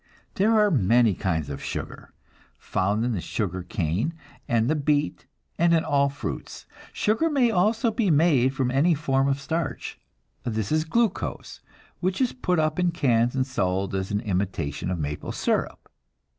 There are many kinds of sugar, found in the sugar cane and the beet, and in all fruits. Sugar may also be made from any form of starch; this is glucose, which is put up in cans and sold as an imitation of maple syrup.